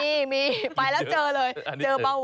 มีมีไปแล้วเจอเลย